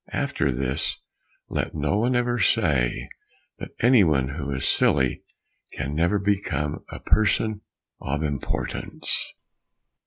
After this, let no one ever say that anyone who is silly can never become a person of importance.